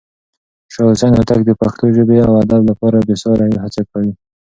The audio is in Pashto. شاه حسين هوتک د پښتو ژبې او ادب لپاره بې ساری هڅې کړې.